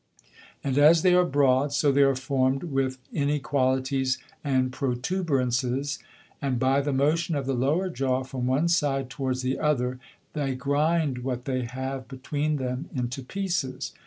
And as they are broad, so they are formed with Inequalities and Protuberances; and by the motion of the lower Jaw, from one side towards the other, they grind what they have between them into pieces.